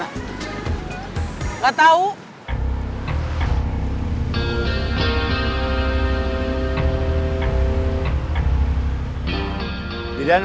tasik tasik tasik